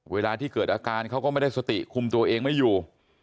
เวลาที่เกิดอาการเขาก็ไม่ได้สติคุมตัวเองไม่อยู่